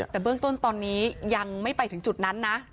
แต่เบื้องต้นตอนนี้ยังไม่ไปถึงจุดนั้นนะ